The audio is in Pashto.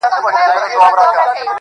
که ستا د حسن د رڼا تصوير په خوب وويني_